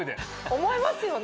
思いますよね。